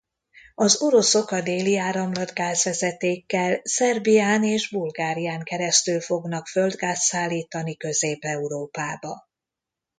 Az oroszok a Déli Áramlat gázvezetékkel Szerbián és Bulgárián keresztül fognak földgázt szállítani Közép-Európába.